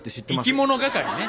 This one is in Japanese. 「いきものがかり」ね。